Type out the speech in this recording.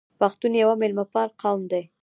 پښتون یو میلمه پال قوم دی.